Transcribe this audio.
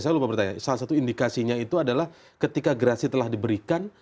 saya lupa bertanya salah satu indikasinya itu adalah ketika gerasi telah diberikan